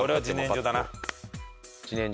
俺は自然薯だな。